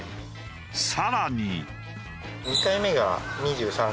さらに。